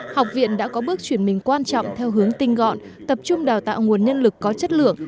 học viện đã có bước chuyển mình quan trọng theo hướng tinh gọn tập trung đào tạo nguồn nhân lực có chất lượng